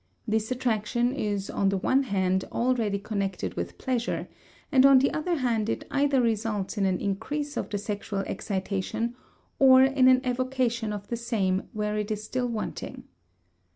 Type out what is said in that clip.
This attraction is on the one hand already connected with pleasure, and on the other hand it either results in an increase of the sexual excitation or in an evocation of the same where it is still wanting.